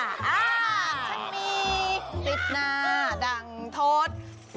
ฉันมี๑๐หน้าดั่งทด